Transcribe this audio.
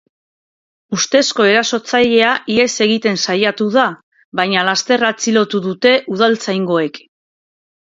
Ustezko erasotzailea ihes egiten saiatu da, baina laster atxilotu dute udaltzaingoek.